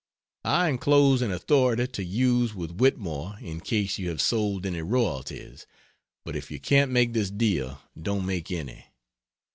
I enclose an authority to use with Whitmore in case you have sold any royalties. But if you can't make this deal don't make any.